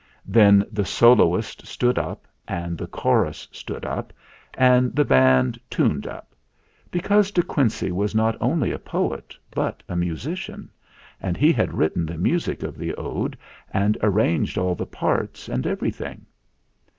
Then the soloist stood up, and the chorus stood up, and the band tuned up; because De Quincey was not only a poet, but a musician, and he had written the music of the Ode and arranged all the parts and everything.